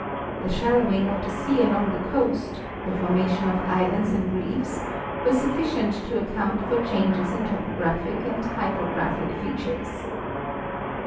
The shal lowing of the sea along the coast, the formation of islands and reefs, were sufficient to account for changes in topographic and hydrographic features.